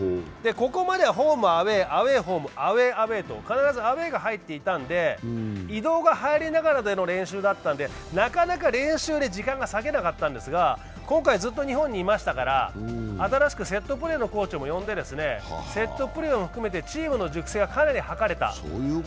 ここまではホーム・アウェー、アウェー・ホーム、アウェー・アウェーと必ずアウェーが入っていたので、移動が入りながらでの練習だったので、なかなか練習に時間が割けなかったんですが、今回はずっと日本にいましたから、新しくセットプレーのコーチも呼んで、セットプレーを含めてチームの熟成がかなり図れた。